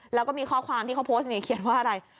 แล้วก็มีข้อความที่เขาโพสต์นี่เขียนว่าอะไร